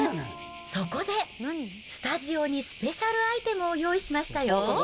そこでスタジオにスペシャルアイテムを用意しましたよ。